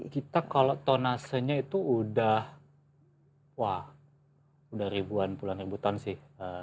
kita kalau tonasenya itu udah wah udah ribuan puluhan ribu ton sih